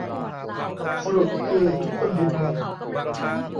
สรุปคือ ทุกคนผิดหมด